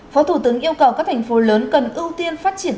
phó thủ tướng yêu cầu các thành phố lớn cần ưu tiên phát triển